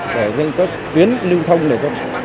để tuyến lưu thông